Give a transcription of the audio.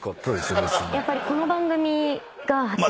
やっぱりこの番組が。